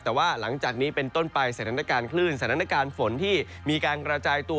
แต่ว่าหลังจากนี้เป็นต้นไปสถานการณ์คลื่นสถานการณ์ฝนที่มีการกระจายตัว